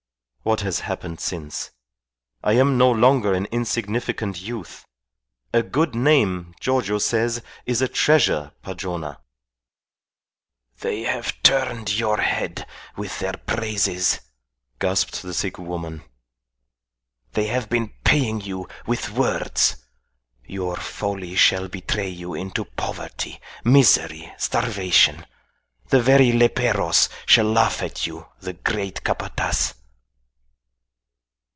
What has happened since? I am no longer an insignificant youth. A good name, Giorgio says, is a treasure, Padrona." "They have turned your head with their praises," gasped the sick woman. "They have been paying you with words. Your folly shall betray you into poverty, misery, starvation. The very leperos shall laugh at you the great Capataz."